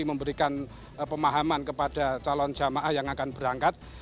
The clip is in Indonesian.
memberikan pemahaman kepada calon jamaah yang akan berangkat